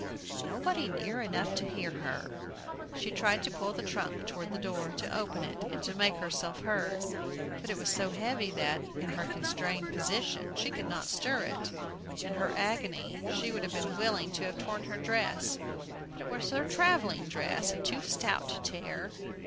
Nobody near enough to hear! She tried to pull the trunk toward the door, to open it and make herself heard; but it was so heavy that, in her constrained position, she could not stir it. In her agony, she would have been willing to have torn her dress; but it was her travelling dress, and too stout to tear.